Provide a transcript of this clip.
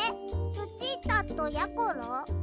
ルチータとやころ？